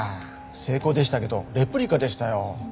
精巧でしたけどレプリカでしたよ。